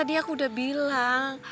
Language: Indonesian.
tadi aku udah bilang